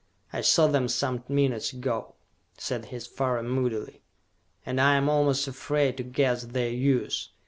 "I saw them some minutes ago," said his father moodily, "and I am almost afraid to guess their use!